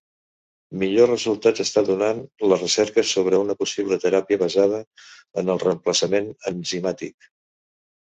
Millors resultats estan donant les recerques sobre una possible teràpia basada en el reemplaçament enzimàtic.